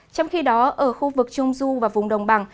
trong khi đó ở khu vực trung du và vùng đồng bằng